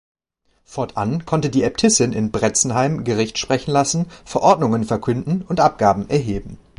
Fortan konnte die Äbtissin in Bretzenheim Gericht sprechen lassen, Verordnungen verkünden und Abgaben erheben.